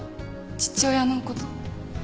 父親のこと？